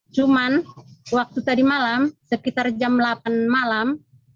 cuman waktu tadi malam sekitar jam delapan malam